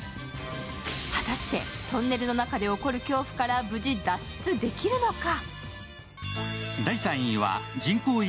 果たしてトンネルの中で起こる恐怖から無事脱出できるのか。